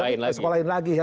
disesuaikan lagi ya